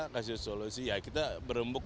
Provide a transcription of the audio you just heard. kasih solusi ya kita berembuk